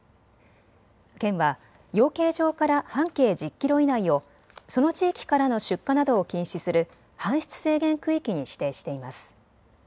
県は養鶏場から半径１０キロ以内をその地域からの出荷などを禁止する搬出制限区域に指定しています。